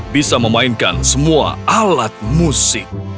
bisa memainkan semua alat musik